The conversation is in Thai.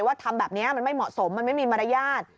ทำแบบนี้มันไม่เหมาะสมมันไม่มีมารยาท